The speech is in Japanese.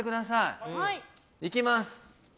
いきます！